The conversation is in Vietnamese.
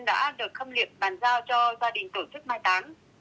đã được khám nghiệp bàn giao cho gia đình tổ chức mai tán